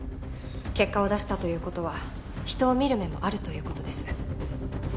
結果を出したという事は人を見る目もあるという事です。